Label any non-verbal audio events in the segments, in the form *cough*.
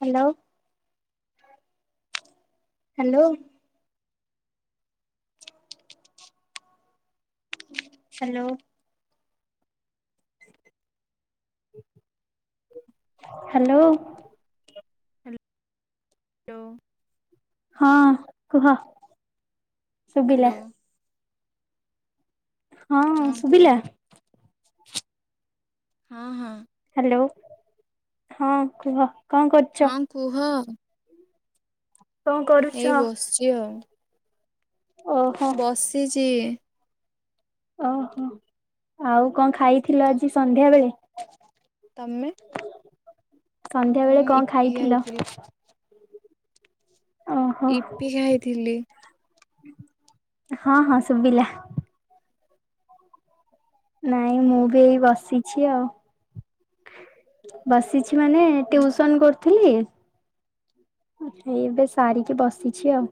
Hello. Hello. Hello. Hello. Hello. ହଁ କୁହ? ସୁଭିଲା। ହ୍ୟାଲୋ ହଁ ଶୁଭିଲା? ହଁ ହଁ। ହ୍ୟାଲୋ ହଁ କୁହ। କଣ କରୁଛ? ହଁ କୁହ। କଣ କରୁଛ? ଏଇ ବସିଛି ଆଉ। ଓହୋ ବସିଛି। ଓହୋ। ଆଉ କଣ ଖାଇଥିଲ ତ ଆଜି ସନ୍ଧ୍ୟା ବେଳେ? ତମେ ସନ୍ଧ୍ୟାବେଳେ ମୁଁ କଣ ଇପି ଖାଇଥିଲ? ଖାଇଥିଲି ଓହୋ ଇପି ଖାଇଥିଲି। ହଁ ହଁ ଶୁଭିଲା। ନାଇଁ ମୁଁ ହୁଁ। ବି ଏଇ ବସି ଛି ଆଉ। ବସିଛି କି ମାନେ ଟିଉସନ କରୁଥିଲି ଏବେ ସାରିକି ବସିଛି ଆଉ।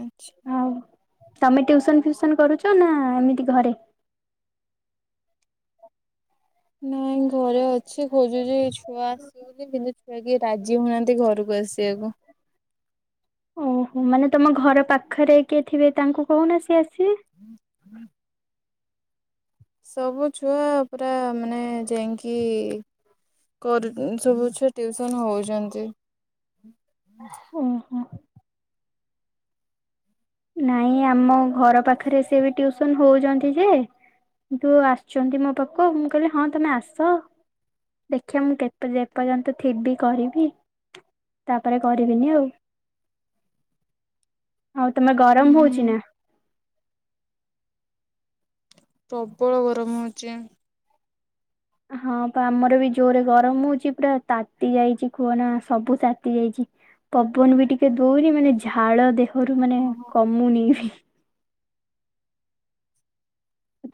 ଆଚ୍ଛା। ଆଉ ତମେ ଟ୍ୟୁସନ ଫିଉସନ କରୁଛ ନା ଏମିତି ଘରେ। ନାଇଁ ଘରେ ଅଛି ଖୋଜୁଛି ଛୁଆ ଆସିବେ ବୋଲି କିନ୍ତୁ ଛୁଆ କିଏ ରାଜି ହଉନାହାନ୍ତି ଘରକୁ ଆସିବାକୁ। ଓହୋ ମାନେ ତମ ଘର ପାଖରେ କିଏ ଥିବେ ତାଙ୍କୁ କହୁନ ସିଏ ଆସିବେ। *unintelligible* ସବୁ ଛୁଆ ପୁରା ମାନେ ଯାଇକି ସବୁ ଛୁଆ ଟିଉସନ ହଉଛନ୍ତି। ହା ଓହୋ। ନାଇଁ ଆମ ଘର ପାଖରେ ସେ ବି ଟିଉସନ ହଉଛନ୍ତି ଯେ କିନ୍ତୁ ଆସୁଛନ୍ତି ମୋ ପାଖକୁ ମୁଁ କହିଲି ହଁ ତମେ ଆସ ଦେଖିବା ମୁଁ କେ ଏପର୍ଯ୍ୟନ୍ତ ଥିବି କରିବି ତାପରେ କରିବିନି ଆଉ। ତମେ ଗରମ ହଉଚି ହୁଁ ନା। ପ୍ରବଳ ଗରମ ହଉଚି। ହଁ ଆମର ବି ଜୋରେ ଗରମ ହଉଚି ପୁରା ତାତି ଯାଇଚି ଖୁଆନା ସବୁ ତାତି ଯାଇଚି ପବନ ବି ଟିକେ ଦଉନ ମାନେ ଝାଳ ଦେ ଘରୁ ମାନେ କମୁନି ବି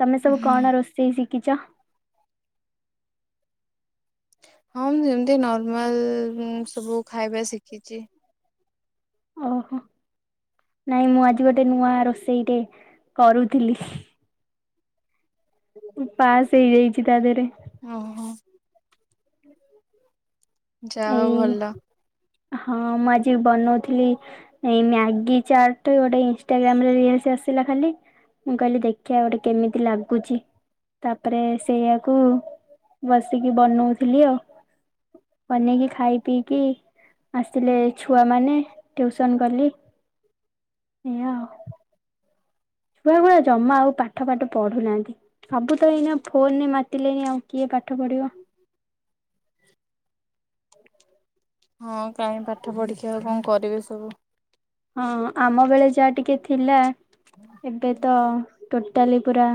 ତମେ ସବୁ ହଁ କଣ ରୋଷେଇ ଶିଖ କିଚ ହଁ ମୁଁ ଯେମିତି ନର୍ମାଲ ସବୁ ଖାଇବା ଶିଖିଚି। ଓହୋ ନାଇଁ ମୁଁ ଆଜି ଗୋଟେ ନୂଆ ରୋଷେଇଟେ କରୁଥିଲି। ପାସ୍ ହେଇଯାଇଚି ତା ଦେହରେ। ହଁ ହ। ଯା ହଉ ଏଇ ଭଲ। ହଁ ମୁଁ ଆଜି ବି ବନଉଥିଲି ଏଇ ମ୍ୟାଗି ଚାଟ ଗୋଟେ ଇନଷ୍ଟାଗ୍ରାମରେ ରିଲସ୍ ଆସିଲା କାଲି ମୁଁ କହିଲି ଦେଖିବା ଗୋଟେ କେମିତି ଲାଗୁଚି ତାପରେ ସେଇୟାକୁ ବସିକି ବନଉଥିଲି ଆଉ। ବନେଇକି ଖାଇ ପିଇକି ଆସିଲେ ଛୁଆମାନେ ଟ୍ୟୁସନ୍ କଲି ଏଇଆ ଆଉ। ଛୁଆଗୁଡ଼ା ଜମା ଆଉ ପାଠ ପାଠ ପଢୁନାହାନ୍ତି ସବୁ ତ ଏଇନା ଫୋନରେ ମାତିଲେେଣି ଆଉ କିଏ ପାଠ ପଢିବ ହଁ କାହିଁ ପାଠ ପଢ଼ିକିଆଉ କଣ କରିବେ ସବୁ ହଁ ଆମ ବେଳେ ଯାହା ଟିକେ ଥିଲା ଏବେ ତ ଟୋଟାଲି ପୁରା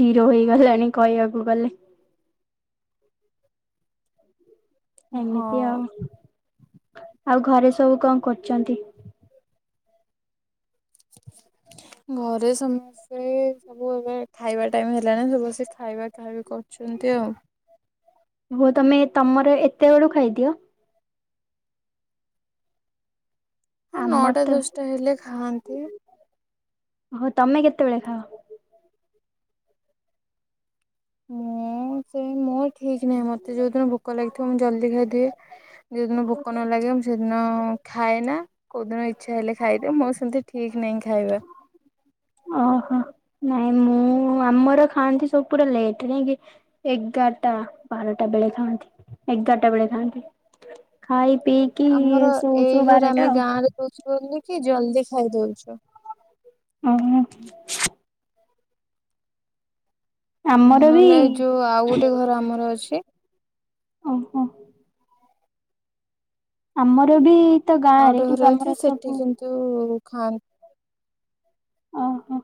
ଜିରୋ ହେଇଗଲାଣି କହିବାକୁ ଗଲେ ଏମିତି ହଁ ଆଉ ଆଉ ଘରେ ସବୁ କଣ କରୁଛନ୍ତି? ଘରେ ସମସ୍ତେ ସବୁ ଏବେ ଖାଇବା ଟାଇମ ହେଲାଣି ସମସ୍ତେ ଖାଇବା ଖାଇବି କହୁଛନ୍ତି ଆଉ ହୋ ତମେ ତମର ଏତେ ବଳୁ ଖାଇଦିଅ ହଁ ଆମର ନଅଟା ତ ଦଶଟା ହେଲେ ଖାଆନ୍ତି। ଓହୋ ତମେ କେତେବେଳେ ଖାଅ ମୁଁ ସେ ମୋର ଠିକ ନାହିଁ ମୋତେ ଯୋଉ ଦିନ ଭୋକ ଲାଗିଥିବ ମୁଁ ଜଲ୍ଦି ଖାଇଦିଏ ଯୋଉଁ ଦିନ ଭୋକ ନ ଲାଗେ ମୁଁ ସେଦିନ ଖାଏ ନାଁ କୋଉ ଦିନ ଇଚ୍ଛା ହେଲେ ଖାଇଦିଏ ମୋ ସେମିତି ଠିକ ନାହିଁ ଖାଇବା। ଓହୋ ନାଇଁ ମୁଁ ଆମର ଖାଆନ୍ତି ସବୁ ପୁରା ଲେଟ୍ ନାଇଁକ ଏଗାରଟା ବାରଟା ବେଳେ ଖାଆନ୍ତି ଏଗାରଟା ବେଳେ ଖାଆନ୍ତି ଖାଇ ପିଇକି ଆମର ଶୋଉ ଏଇ ଶୋଉ ଘରେ ବାରଟା ଆମେ ଆଉ ଗାଁ ରେ ରହୁଛୁ ବୋଲି କି ଜଲଦି ଖାଇଦଉଛୁ। ଓ ହୋ ଆମର ଉଁ ବି ନହେଲେ ଯୋଉ ଆଉ ଗୋଟେ ଘର ଆମର ଅଛି। ଓହୋ। ଆମର ବି ତ ଆଉ ଗାଁରେ ଗୋଟେ କିନ୍ତୁ ଘରେ ଆମର ଅଛି ସେଠି ସବୁ କିନ୍ତୁ ଉ ଉ ଖାନ୍ ଓହୋ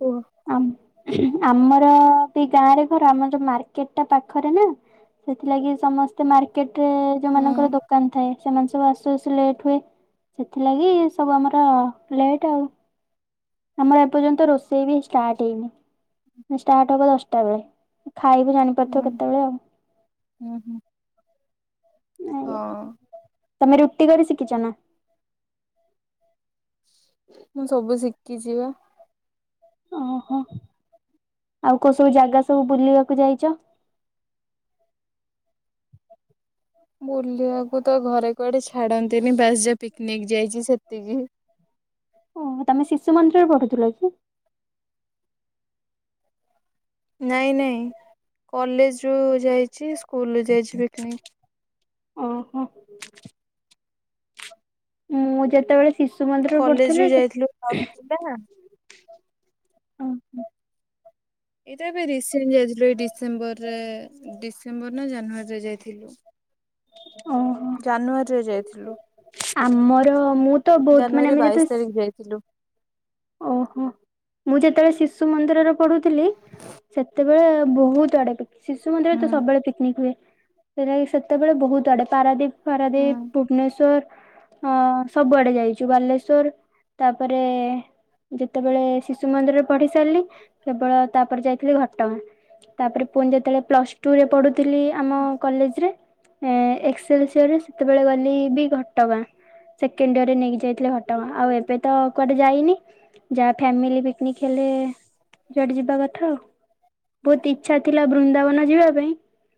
ହୁଁ ଆମ ଆମର ବି ଗାଁରେ ଘର ଆମର ଯୋଉ ମାର୍କେଟ ଟା ପାଖରେ ନା ସେଥିଲାଗି ସମସ୍ତେ ମାର୍କେଟ ରେ ହୁଁ ଯୋଉମାନାନଙ୍କର ଦୋକାନ ଥାଏ। ସେମାନେ ସବୁ ଆସୁ ଆସୁ ଲେଟ ହୁଏ ସେଥିଲାଗି ସବୁ ଆମର ଲେଟ ଆଉ। ଆମର ଏପର୍ଯ୍ୟନ୍ତ ରୋଷେଇ ବି ଷ୍ଟାର୍ଟ ହେଇନି ଷ୍ଟାର୍ଟ ହବ ଦଶଟା ବେଳେ। ଖାଇବି ଜାଣିପାରୁଥିବ କେତେବେଳେ ଆଉ। ଓ ହୋ। ଆଜ୍ଞା ହଁ। ତମେ ରୁଟି କରି ଶିଖିଛ ନାଁ? ମୁଁ ସବୁ ଶିଖିଛି ବା। ଓହୋ ଆଉ କୋଉ ସବୁ ଜାଗା ସବୁ ବୁଲିବାକୁ ଯାଇଛ। ବୁଲିବାକୁ ତ ଘରେ କୁଆଡେ ଛାଡନ୍ତିନି ବାସ ଯା ପିକନିକ ଯାଇଛି ସେତିକି। *inaudible* ଓ ତମେ ଶିଶୁ ମନ୍ଦିର ରେ ପଠୁଥିଲ କି? ନାଇଁ ନାଇଁ କଲେଜ ଯୋଉଁ ଯାଇଛି ସ୍କୁଲ ଯାଇଛି ପିକନିକ। ଓହୋ। ମୁଁ ଯେତେବେଳେ ଶିଶୁ ମନ୍ଦିରରେ କଲେଜ ରୁ ପଢୁଥିଲି ସେ ଯାଇଥିଲୁ *inaudible* ଓ ହୋ। ଏଇଟା ଏଵେ ରିସ ଥିଲ ଏ ଡିସେମ୍ବର ରେ ଡିସେମ୍ବର ନା ଜାନୁରୀରେ ଯାଇଥିଲୁ ଓହୋ ଜାନୁଆରୀରେ ଯାଇଥିଲୁ ଆମର ମୁଁ ତ ବହୁତ ମାନେ ଜାନୁଆରୀ ଆମେ ଯେତେ ବାଇଶି ତାରିଖ ଯାଇଥିଲୁ। ଓହୋ ମୁଁ ଯେତେବେଳେ ଶିଶୁ ମନ୍ଦିରରେ ପଢୁଥିଲି ସେତେବେଳେ ବହୁତ ଆଡେ ଶିଶୁ ମନ୍ଦିର ହୁଁ। ତ ସବୁବେଳେ ପିକିନିକ୍ ହୁଏ। ସେଇରା ସେତେବେଳେ ବହୁତ ଆଡେ ପାରାଦୀପ ହୁଁ ପାରାଦୀପ ଭୁବନେଶ୍ଵର ହଁ ସବୁଆଡେ ଯାଇଛୁ ବାଲେଶ୍ଵର ତାପରେ ଯେତେବେଳେ ଶିଶୁ ମନ୍ଦିରରେ ପଢି ସାରିଲି କେବଳ ତାପରେ ଯାଇଥିଲି ଘଟଗାଁ ତାପରେ ପୁଣି ଯେତେବେଳେ ପ୍ଲସ ଟୁ ରେ ପଢୁ ଥିଲି ଆମ କଲେଜରେ ଏ ଏକ୍ସେଲସିରରେ ସେତେବେଳେ ଗଲି ବି ଘଟଗାଁ। ସେକେଣ୍ଡ ଡିରେ ନେଇକି ଯାଇଥିଲେ ଘଟଣା ଆଉ ଏବେ ତ କୁଆଡେ ଯାଇନି। ଯାହା ଫାମିଲି ପିକନିକ ହେଲେ ଯଆଠେ ଯିବା କଥା ଆଉ ବହୁତ ଇଚଛା ଥିଲା ବୃନ୍ଦାବନ ଯିବା ପାଇଁ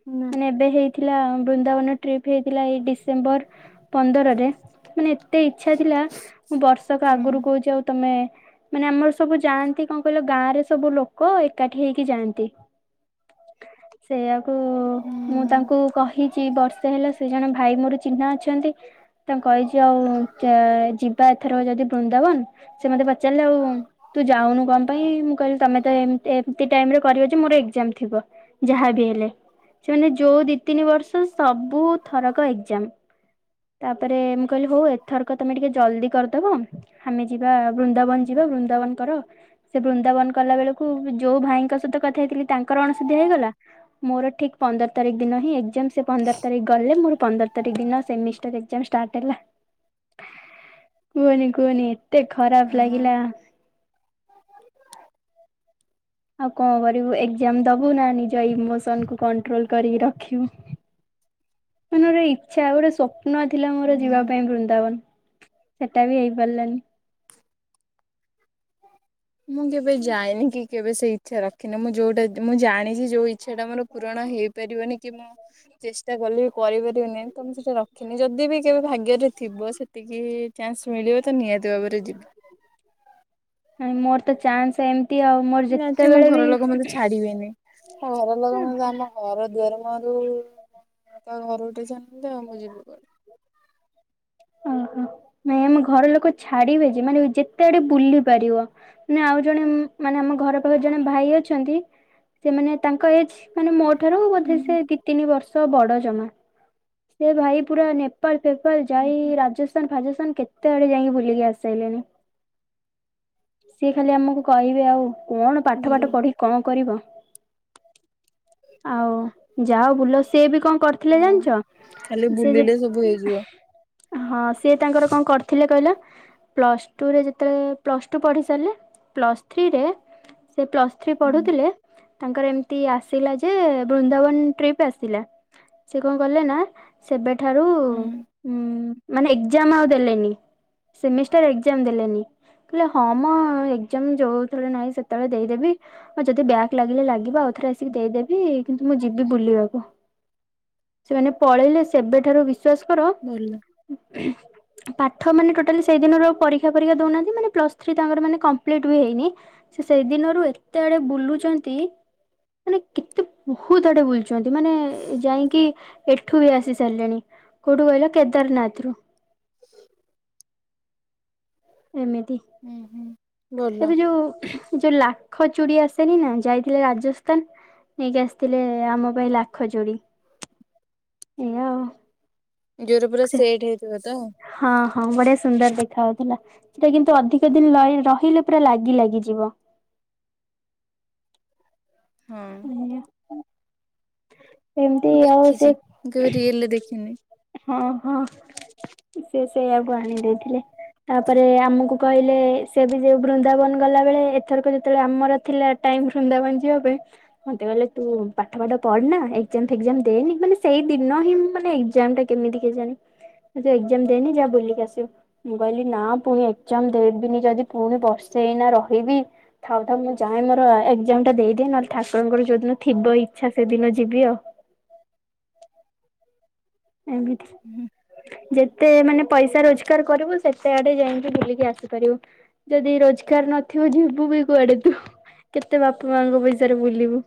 ହୁଁ ମାନେ ଏବେ ହେଇଥିଲା ବୃନ୍ଦାବନ ଟ୍ର ଫ ହେ ଥିଲା ଏଇ ଡିସେମ୍ବର ପନ୍ଦରରେ ମାନେ ଏତେ ଇଚଛା ଥିଲା ମୁଁ ବର୍ଷକ ହୁଁ ଆଗରୁ କହୁଛି ଆଉ ମାନେ ଆମର ସବୁ ଯାଆନ୍ତି କଣ କହିଲ ଗାଁରେ ସବୁ ଲୋକ ଏକାଠି ହେଇକି ଯାଆନ୍ତି ସେୟା ହୁଁ ମୁଁ ହୁଁ। ତାଙ୍କୁ କହିଛି ବର୍ଷ ସେ ହେଲେ ସେ ଜଣେ ଭାଇ ମୋର ଚିହ୍ନା ଅଛନ୍ତି ତାଙ୍କୁ କହିଛି ଆଉ ଯିବା ଏଥର ଯଦି ବୃନ୍ଦାବନ ସେ ମତେ ପଚାରିଲେ ଆଉ ତୁ ଯାଉନୁ କଣ ପାଇଁ ମୁଁ କହିଲି ତମେ ତ ଏମତି ଟାଇରେ କରିବ ଯେ ମୋର ଏକଜାମ ଥିବ ଯାହାବ ହେଲେ ସେମାନେ ଯୋଉ ଦି ତିନି ବର୍ଷ ସବୁଥରକ ଏକ୍ଜାମ ତାପରେ ମୁଁ କହିଲି ହଉ ଏଥରକ ତମେ ଟିକେ ଜଲଦି କରିଦବ ଆମେ ବା ବୃନ୍ଦାବନ ଯିବା ବୃନ୍ଦାବନ କରର ସେ ବୃନ୍ଦାବନ କଲା ବେଳକୁ ଯୋଉ ଭାଇଙ୍କ ତ କଥା ହେଇଥିଲି ତାଙ୍କର ଅଣସୁଦ୍ଧା ହେଇଗଲା ମୋର ଠିକ ପନ୍ଦର ତାରିଖ ଦିନ ହିଁ ସେ ପନ୍ଦର ତାରିଖ ଗଲେ ମୋ ପନ୍ଦର ତାରିଖ ଦିନ ସେମିଷ୍ଟରାର୍ ହେଲା କୁହନି କୁହନି। ଏତେ ଖରାପ ହୁଁ ଲାଗିଲା। ଆଉ କଣ କରିବୁ ଏଜାମ ଦବୁ ନା ନିଜ ଇମୋସନକୁୁ କଣ୍ଟ୍ରୋଲ କରିକି ରଖିବୁ ମାନେ ଗୋଟେ ଇଚ୍ଛା ଗୋଟେ ସ୍ୱପ୍ ନଥିଲା ମୋର ଯିବା ହୁଁ। ପାଇଁ ବୃନ୍ଦାବନ ସେଟା ବି ହେଇପାରିଲାନି। ମୁଁ କେବେ ଯାଏନି କି କେବେ ସେଇ ଇଚ୍ଛା ରଖିନି ମୁଁ ଯୋଉଟା ମୁଁ ଜାଣିଛି ଯୋଉ ଇଚ୍ଛା ଟା ମୋର ପୂରଣ ହେଇପାରିବନି କି ମୁଁ ଚେଷ୍ଟା କଲି ବି କରିପାରିବନି ତ ମୁଁ ସେଟା ରଖିନି ଯଦି ବି କେବେ ଭାଗ୍ୟରେ ଥିବ ସେତିକି ଚାନ୍ସ ମିଳିବ ତ ନିହାତି ଭାବରେ ଯିବି ଆ ମୋର ତ ଚାନ୍ସ ଏମତି ଆଉ ମୋର ମୁଁ ଯେତେବେଳେ ବି ହର ଲୋକ ମାନ ଆମ ଘର ଦୁଆର ମୋର ତା ଘରଠେ ଚାଣ ଆଉ ମୁଁ ଯିବୁ କ ଓହୋ ନାଇଁ ଆମ ଘର ଲୋକ ଛାଡିବେ ଯେ ମାନେ ଯେତେ ଆଡେ ବୁଲି ପାରିବ ମାନେ ଆଉ ଜଣେ ମାନେ ଆମ ଘର ପାଖରେ ଜଣେ ଭାଇ ଅଛନ୍ତି ସେମାନେ ତାଙ୍କ ଏଜ ମାନେ ମୋର ସେଠାରୁ ବୋଧେ ହୁଁ ସେ ଦି ତିନି ବର୍ଷ ସ ବଡ ଜମା ସେ ଭାଇ ପୁରା ନେପାଳ ଫେପା ହୁଁ ଯାଇ ହୁଁ ରାଜସ୍ଥାନଫାଜସ୍ତନ୍ କେତେ ଆଡେ ଯାଇକି ବୁଲିକି ଆସଲେଣି ସିଏ ଖାଲି ଆମକୁ କହିବେ ଆଉ କଣ ପାଠ ଭଲ। ପାଠ ପଢ଼ି କଣ କରିବ। ଆଉ ଯାଅ ବୁଲ ସିଏ ବି କଣ କରିଥିଲେ ହଁ ଜାଣିଛ ଖାଲି ସେ ବୁଲିଲେ ସବୁ ଯେ ହେଇଯିବ। ହଁ ସିଏ ତାଙ୍କର କଣ କରିଥିଲେ କହିଲା ପ୍ଲସ୍ ଟୁରେ ଯେତେବେଳେ ପ୍ଲସ୍ ଟୁ ପଢି ସାରିଲେ ପ୍ଲସ୍ ଥ୍ରୀରେ ସେ ପ୍ଲସ୍ ଥ୍ରୀ ହୁଁ ପଢୁଥିଲେ ତାଙ୍କର ଏମିତି ଆସ ଯେ ବୃନ୍ଦାବନ ଟ୍ରିପ ଆସିଲା ସେ କଣ କଲେ ନା। ଠାରୁ ହୁଁ ହ ମାନେ ଏକ୍ଜାମ ଆଉ ଦେଲେନି ସେମିଷ୍ଟାର ଏକ୍ଜାମ ଦେଲେନି। କହିଲେ ହଁ ମଁ ଏଜାମ ଯୋଉ ଳେ ନହିଁ ସେତେବେଳେ ଦେଇଦେବି ଆଉ ଯଦି ବ୍ୟାଗ ଲାଗିଲେ ଲାଗିବ ଆଉଥରେ। ଦେଇଦେବି କିନ୍ତୁ ମୁଁ ଯିବି ବୁଲିବାକୁ ସେମାନେ ପଳେଇଲେ ସେବେଠାରୁ ବିଶ୍ୱାସ କର ଭଲ। ପାଠ ମାନେ ଟୋଟାଲି ସେଇ ଦିନରୁ ପରୀକ୍ଷା ପରୀକ୍ଷା ଦଉନାହାନ୍ତି ମାନେ ପ୍ଲସ ଥ୍ରୀ ତାଙ୍କର ମାନେ କମ୍ପ୍ଲିଟ ବି ହେଇନି ସେ ସେଇଦିନରୁ ଏତେ ବଡ ବୁଲୁଛନ୍ତି। ମାନେ କେତେ ବହୁତ ଆଡେ ବୁଲୁଛନ୍ତି ମାନେ ଯାଇକି ଏଠୁ ଆସି ସାରିଲେଣି କୋଉଠୁ କହିଲ କେଦାରନାଥରୁ। ଏମିତି ହୁଁ ହୁଁ ଭଲ ଏବେ ଯୋଉ ହୁଇ ଯୋଉ ଲାଖ ଚୁଡ଼ି ଆସେନି ନା ଯାଇଥିଲେ ରାଜସ୍ଥାନ ନେଇକି ଆସିଥିଲେ ଆମ ପାଇଁ ଲାଖ ଚୁଡ଼ି ଏଇଆ ଆଉ। ଜୋରେ ପୁରା ସେ ସେଟ୍ ହେଇଥିବ ତ। ହଁ ହଁ ବଢିଆ ସୁନ୍ଦର ଦେଖା ଯାଉଥିଲା ସେଟା କିନ୍ତୁ ଅଧିକ ଦିନ ର ରହିଲେ ପୁରା ଲାଗି ଲାଗିଯିବ ହଁ *unintelligible* *unintelligible* ଏମିତି ଆଉ ଦେଖିଛି ସେ ମୁଁ କେବେ ରିଏଲରେ ଦେଖିନି। ହଁ ହଁ ସେ ସେଇଆକୁ ଆଣି ଦେଇେଇଥିଲେ ତାପରେ ଆମକୁ କହିଲେ ସେ ବି ଯଉ ବୃନ୍ଦାବନ ଗଲା ବଳେ ଏଥରକ ଯେତେବେଳେ ଆମର ଥିଲା ଟାଇ ବୃନ୍ଦାବନ ଯିବା ପାଇଁ ମତେ କହିଲେ ତୁ ପାଠ ପାଠ ପଢୁନା ଏଜାମ ଫେଜମ ଦେନି ମାନେ ସେଇ ଦିନ ହିଁ ମୁଁ ମାନେ କେମିତି କେ ଜାଣଣି ମୁ ଏଜାମ ଦେଇନି ଯାହା ବୁଲିକି ଆସିବୁ ମୁଁ କହିଲି ନା ପୁଣି ଏଜାମ ଦେବିନି ଯଦି ପୁଣି ବର୍ସେଇନା ରହିବି ଥାଉ ଥାଉ ମୁଁ ଯାଏଁ ମୋର ଏଜାମ ଟା ଦେଇଦି ନହେଲେ ଠାକୁରଙ୍କର ଯୋଉଦିନ ଥିବ ଇଚ୍ଛା ସେଦିନ ଯିବି ଆଉ। ଏମିତି ଯେତେ ମାନେ ପଇସା ରୋଜଗାର କରିବୁ ସେତେ ଆଡେ ଯାଇକି ବୁଲିକି ଆସିପାରିବୁ ଯଦି ରୋଜଗାର ନଥିବ ଯିବୁ ବି କୁଆଡେ ତୁ କେତେ ବାପା ମାଙ୍କ ପଇସାରେ ବୁଲିବୁ।